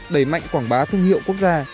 đẩy mạnh quảng bá thương hiệu quốc gia